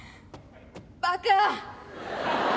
バカ」。